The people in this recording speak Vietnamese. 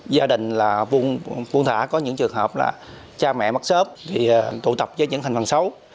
gia đình là vùng thả có những trường hợp là cha mẹ mất sớp thì tụ tập với những thành phần xấu